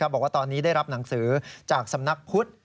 บอกว่าตอนนี้ได้รับหนังสือจากสำนักพุทธ